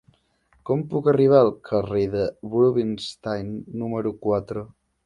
Com puc arribar al carrer de Rubinstein número quatre?